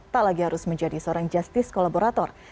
tak lagi harus menjadi seorang justice kolaborator